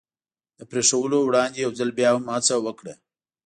د پرېښودلو وړاندې یو ځل بیا هم هڅه وکړه.